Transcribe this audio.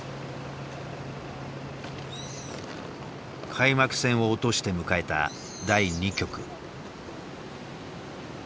開幕戦を落として迎えた第２局。